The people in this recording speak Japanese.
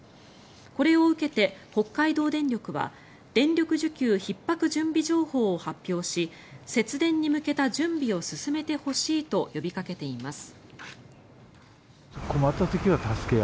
これを受けて、北海道電力は電力需給ひっ迫準備情報を発表し節電に向けた準備を進めてほしいと呼びかけています。